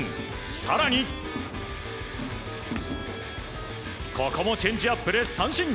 更に、ここもチェンジアップで三振。